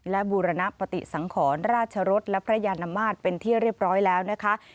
และบูรณปฏิสังขรราชรสและพระยานมาตรเป็นที่เรียบร้อยแล้วนะคะ